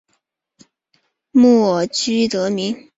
粟末靺鞨得名。